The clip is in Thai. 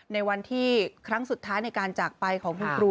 ในวันที่ครั้งสุดท้ายในการจากไปของคุณครู